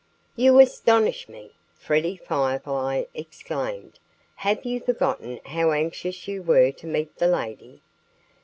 "You astonish me!" Freddie Firefly exclaimed. "Have you forgotten how anxious you were to meet the lady?"